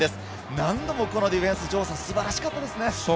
何度もディフェンス、すばらしかったですね。